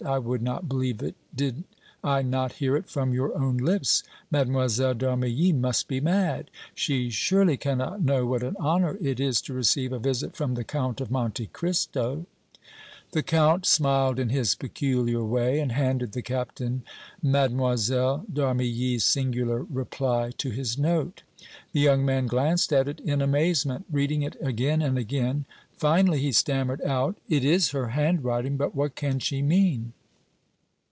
I would not believe it did I not hear it from your own lips. Mlle. d' Armilly must be mad! She surely cannot know what an honor it is to receive a visit from the Count of Monte Cristo!" The Count smiled in his peculiar way, and handed the Captain Mlle. d' Armilly's singular reply to his note. The young man glanced at it in amazement, reading it again and again; finally he stammered out: "It is her handwriting, but what can she mean?"